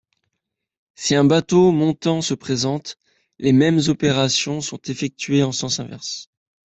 Si un bateau montant se présente, les mêmes opérations sont effectuées en sens inverse.